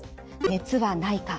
熱はないか